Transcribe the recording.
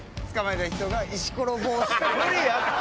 無理やって！